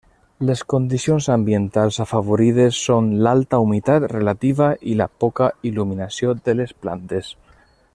Les condicions ambientals afavoridores són l'alta humitat relativa i la poca il·luminació de les plantes.